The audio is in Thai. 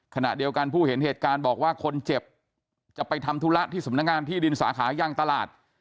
ขณะเดียวกันผู้เห็นเหตุการณ์บอกว่าคนเจ็บจะไปทำธุระที่สำนักงานที่ดินสาขาย่างตลาด